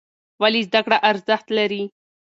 ولې زده کړه ارزښت لري؟